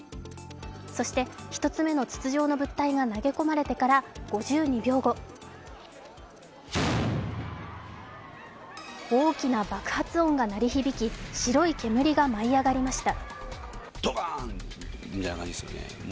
そして１つ目の筒状の物体が投げ込まれてから５２秒後、大きな爆発音が鳴り響き白い煙が舞い上がりました。